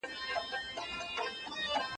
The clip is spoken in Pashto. څو ساعته به په غار کي پټ وو غلی